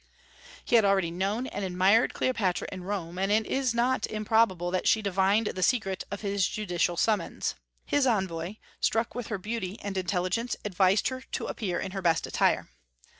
He had already known and admired Cleopatra in Rome, and it is not improbable that she divined the secret of his judicial summons. His envoy, struck with her beauty and intelligence, advised her to appear in her best attire.